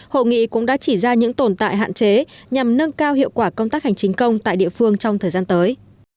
hội nghị cũng đã chỉ ra những tồn tại hạn chế nhằm nâng cao hiệu quả công tác hành chính công tại địa phương trong thời gian tới